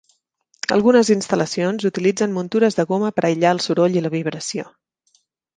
Algunes instal·lacions utilitzen muntures de goma per aïllar el soroll i la vibració.